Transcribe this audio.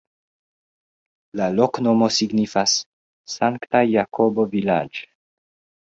La loknomo signifas: Sankta-Jakobo-vilaĝ'.